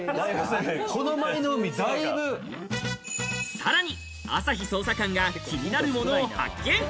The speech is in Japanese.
さらに朝日捜査官が気になるものを発見。